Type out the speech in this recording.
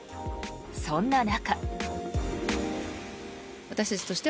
そんな中。